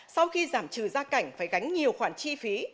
sau khi giảm trừ gia cảnh phải gánh nhiều khoản chi phí